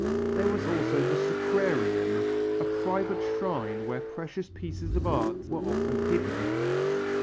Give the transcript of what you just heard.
There was also the Sacrarium, a private shrine where precious pieces of art were often hidden.